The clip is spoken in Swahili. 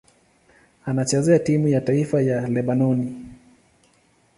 Anachezea timu ya taifa ya Lebanoni.